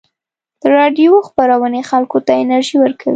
د راډیو خپرونې خلکو ته انرژي ورکوي.